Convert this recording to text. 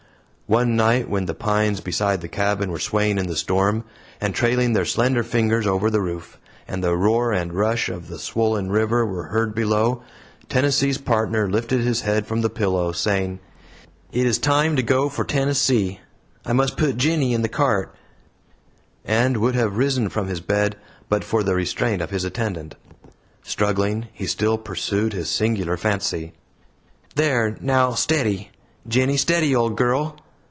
One night, when the pines beside the cabin were swaying in the storm, and trailing their slender fingers over the roof, and the roar and rush of the swollen river were heard below, Tennessee's Partner lifted his head from the pillow, saying, "It is time to go for Tennessee; I must put 'Jinny' in the cart"; and would have risen from his bed but for the restraint of his attendant. Struggling, he still pursued his singular fancy: "There, now, steady, 'Jinny' steady, old girl.